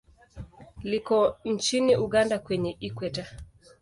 Liko nchini Uganda kwenye Ikweta.